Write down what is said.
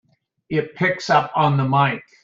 It picks up on the mike!